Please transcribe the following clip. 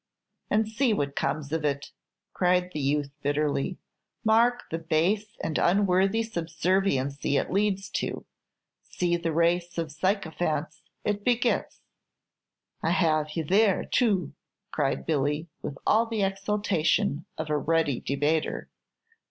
"And see what comes of it!" cried the youth, bitterly. "Mark the base and unworthy subserviency it leads to; see the race of sycophants it begets." "I have you there, too," cried Billy, with all the exultation of a ready debater.